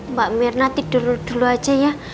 mbak mirna tidur dulu aja ya